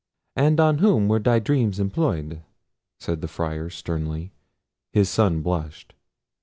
"And on whom were thy dreams employed?" said the Friar sternly. His son blushed.